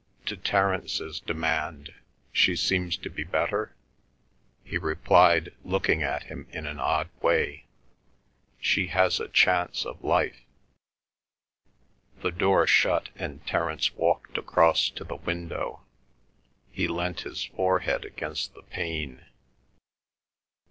To Terence's demand, "She seems to be better?" he replied, looking at him in an odd way, "She has a chance of life." The door shut and Terence walked across to the window. He leant his forehead against the pane.